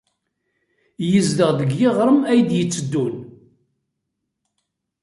Yezdeɣ deg yiɣrem ay d-yetteddun.